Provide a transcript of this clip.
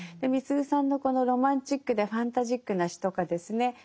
みすゞさんのこのロマンチックでファンタジックな詩とかですね